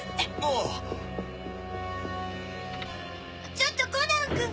ちょっとコナンくん。